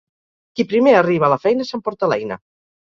Qui primer arriba a la feina s'emporta l'eina.